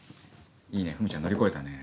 いいねふみちゃん乗り越えたね。